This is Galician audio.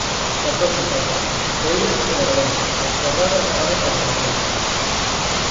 Catorce cartas, roídas e barolentas, gardadas na gabeta do roupeiro